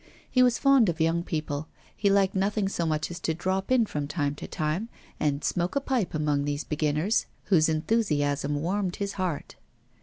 He was fond of young people; he liked nothing so much as to drop in from time to time and smoke a pipe among these beginners, whose enthusiasm warmed his heart.